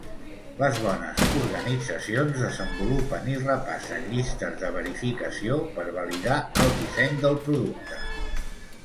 Les bones organitzacions desenvolupen i repassen llistes de verificació per validar el disseny del producte.